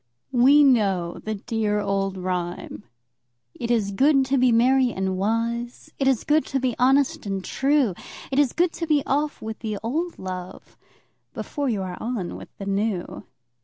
We know the dear old rhyme: "It is good to be merry and wise, It is good to be honest and true, It is good to be off with the old love Before you are on with the new."